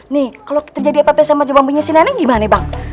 nih kalo kita jadi apa apa sama jombang punya si nenek gimana bang